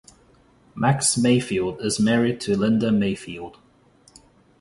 Max Mayfield is married to Linda Mayfield.